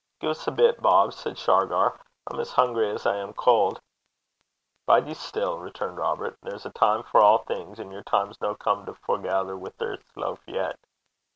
'Gie's a bit, Bob,' said Shargar. 'I'm as hungry as I am cauld.' 'Bide ye still,' returned Robert. 'There's a time for a' thing, and your time 's no come to forgather wi' this loaf yet.